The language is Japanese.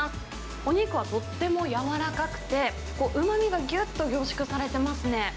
お肉はとっても柔らかくて、うまみがぎゅっと凝縮されてますね。